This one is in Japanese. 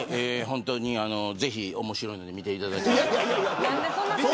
本当にぜひ面白いので見ていただいて。